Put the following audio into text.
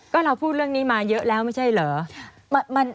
ก็เราพูดเรื่องนี้มาเยอะแล้วไม่ใช่เหรอ